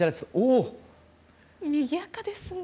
にぎやかですね。